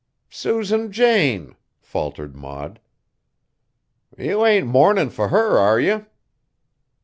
"Susan Jane!" faltered Maud. "You ain't mournin' fur her, are you?"